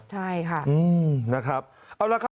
ใช่ค่ะนะครับเอาละครับ